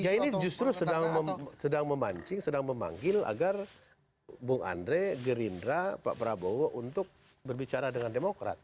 ya ini justru sedang memancing sedang memanggil agar bung andre gerindra pak prabowo untuk berbicara dengan demokrat